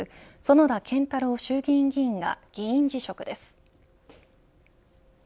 薗浦健太郎衆議院議員が議員辞職です。